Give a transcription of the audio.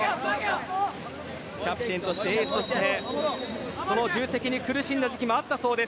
キャプテンとして、エースとしてその重責に苦しんだ時期もあったそうです